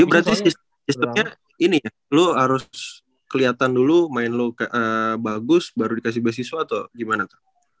jadi berarti si beasiswanya ini ya lu harus kelihatan dulu main lu bagus baru dikasih beasiswa atau gimana tuh